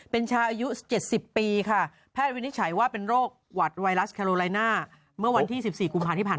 เป็นชายอายุ๗๐ปีค่ะแพทย์วินิจฉัยว่าเป็นโรคหวัดไวรัสแคโรไลน่าเมื่อวันที่๑๔กุมภาที่ผ่าน